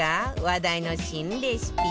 話題の新レシピ